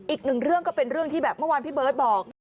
อีกหนึ่งเรื่องก็เป็นเรื่องที่แบบเมื่อวานพี่เบิร์ตบอก